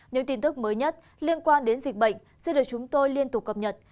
những tin tức mới nhất liên quan đến dịch bệnh xin được chúng tôi liên tục cập nhật